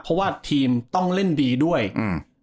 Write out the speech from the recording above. เพราะว่าทีมต้องเล่นดีด้วยอืม